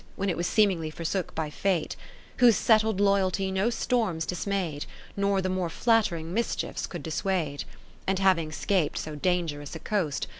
When it was seemingly forsook by Fate; Whose settled loyalty no storms dis mayed, Nor the more flattering mischiefs could dissuade : 20 And having 'scap'd so dangerous a coast.